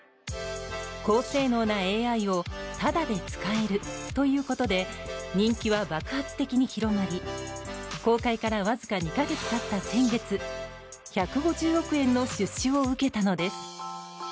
高性能なＡＩをタダで使えるということで人気は爆発的に広まり公開からわずか２か月経った先月１５０億円の出資を受けたのです。